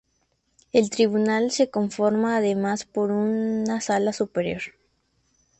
El Tribunal se conforma además por una "Sala Superior.